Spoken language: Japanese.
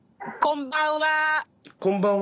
こんばんは。